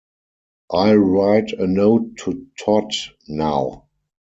I'll write a note to Todd now.